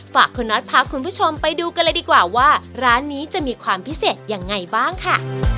ฝากคุณน็อตพาคุณผู้ชมไปดูกันเลยดีกว่าว่าร้านนี้จะมีความพิเศษยังไงบ้างค่ะ